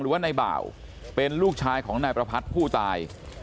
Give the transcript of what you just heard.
ว่าในบ่าวเป็นลูกชายของนายประพัทธ์ผู้ตาย